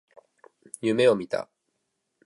夢を見た。